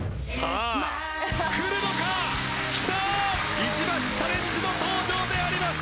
石橋チャレンジの登場であります。